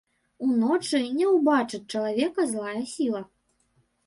Уночы не ўбачыць чалавека злая сіла.